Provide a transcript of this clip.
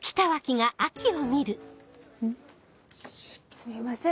すみません